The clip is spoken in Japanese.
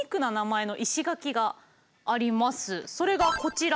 それがこちら。